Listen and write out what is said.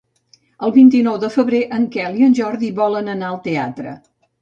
El vint-i-nou de febrer en Quel i en Jordi volen anar al teatre.